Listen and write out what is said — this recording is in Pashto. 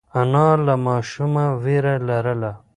انا له ماشومه وېره لرله.